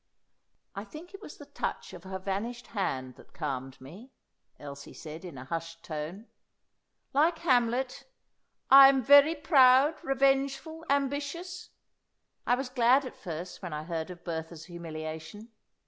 "I think it was the touch of her vanished hand that calmed me," Elsie said in a hushed tone. "Like Hamlet, 'I am very proud, revengeful, ambitious;' I was glad at first when I heard of Bertha's humiliation.